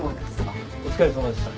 お疲れさまでした。